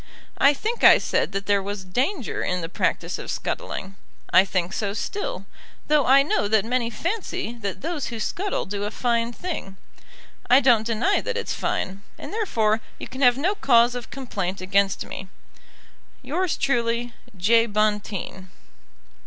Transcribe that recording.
I think I said that there was danger in the practice of scuttling. I think so still, though I know that many fancy that those who scuttle do a fine thing. I don't deny that it's fine, and therefore you can have no cause of complaint against me. Yours truly, J. BONTEEN.